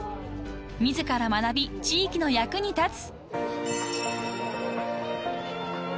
［自ら学び地域の役に立つ］